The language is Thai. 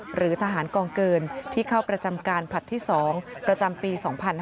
หรือทหารกองเกินที่เข้าประจำการผลัดที่๒ประจำปี๒๕๕๙